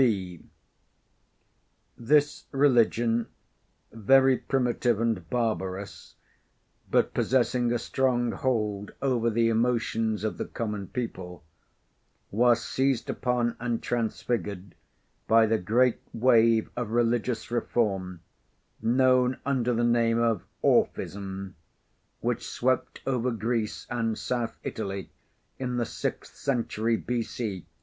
(b) This religion, very primitive and barbarous, but possessing a strong hold over the emotions of the common people, was seized upon and transfigured by the great wave of religious reform, known under the name of Orphism, which swept over Greece and South Italy in the sixth century B.C.